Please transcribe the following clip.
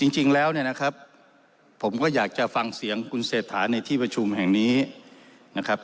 จริงแล้วเนี่ยนะครับผมก็อยากจะฟังเสียงคุณเศรษฐาในที่ประชุมแห่งนี้นะครับ